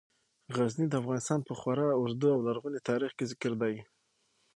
غزني د افغانستان په خورا اوږده او لرغوني تاریخ کې ذکر دی.